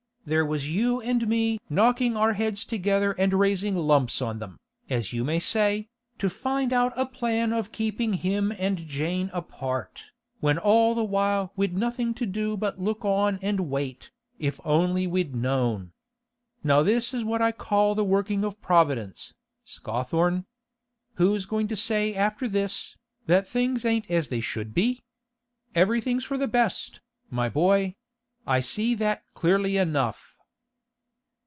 There was you and me knocking our heads together and raising lumps on them, as you may say, to find out a plan of keeping him and Jane apart, when all the while we'd nothing to do but to look on and wait, if only we'd known. Now this is what I call the working of Providence, Scawthorne. Who's going to say after this, that things ain't as they should be? Everything's for the best, my boy; I see that clearly enough.